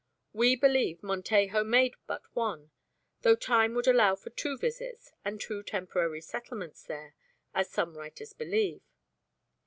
We believe Montejo made but one, though time would allow for two visits and two temporary settlements there, as some writers believe.